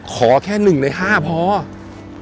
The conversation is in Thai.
ขอแค่หนึ่งในห้าเพราะ